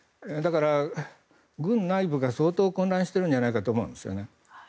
だから、軍内部が相当混乱しているんじゃないかと思うんですね。